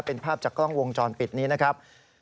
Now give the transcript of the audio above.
เป็นภาพจากกล้องวงจรปิดนี้นะครับ